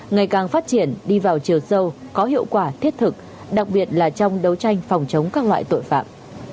ngày càng phát triển đi vào chiều sâu có hiệu quả thiết thực đặc biệt là trong đấu tranh phòng chống các loại tội phạm